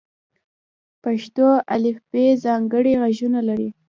پښتو الفبې ځانګړي غږونه لري.